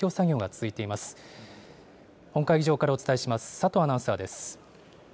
佐藤アナウンサーです。